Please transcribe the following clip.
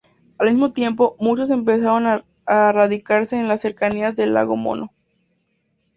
Al mismo tiempo, muchos empezaron a radicarse en las cercanías del lago Mono.